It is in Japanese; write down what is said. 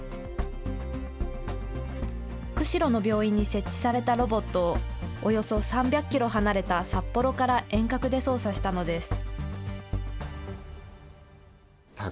釧路の病院に設置されたロボットを、およそ３００キロ離れた札幌から遠隔で操作したのです。